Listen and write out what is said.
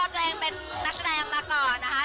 ตัวเองเป็นนักแสดงมาก่อนนะคะ